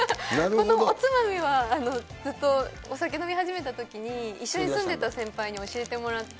このおつまみは、ずっと、お酒飲み始めたときに、一緒に住んでた先輩に教えてもらって。